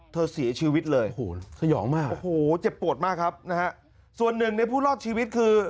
เธอสีชีวิตเลยโอ้โหเจ็บปวดมากครับนะครับส่วนหนึ่งในผู้รอดชีวิตคือ